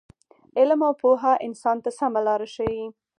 علم او پوهه انسان ته سمه لاره ښیي.